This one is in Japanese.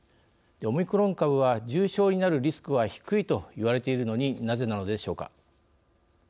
オミクロン株は重症になるリスクは低いと言われているのになぜなのでしょうか。